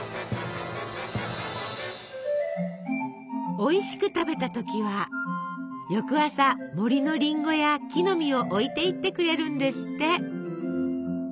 おいしく食べた時は翌朝森のりんごや木ノ実を置いていってくれるんですって！